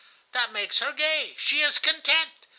That makes her gay, she is content.